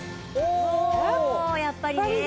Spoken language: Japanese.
やっぱりね。